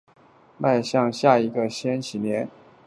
迈向下一个千禧年